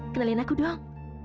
kenalin aku dong